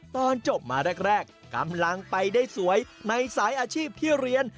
ตอนจบมาแรกกำลังไปได้สวยในสายอาชีพที่เรียน